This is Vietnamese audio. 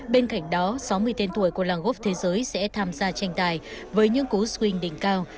bên cạnh đó sáu mươi tên tuổi của làng gốc thế giới sẽ tham gia tranh tài với những cú screng đỉnh cao